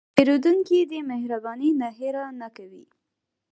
پیرودونکی د مهربانۍ نه هېره نه کوي.